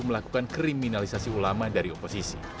melakukan kriminalisasi ulama dari oposisi